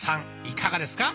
いかがですか？